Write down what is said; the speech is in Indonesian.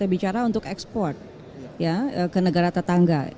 bicara untuk ekspor ke negara tetangga